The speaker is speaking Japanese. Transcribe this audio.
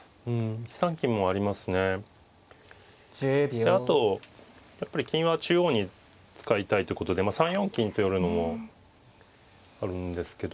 であとやっぱり金は中央に使いたいってことで３四金と寄るのもあるんですけど。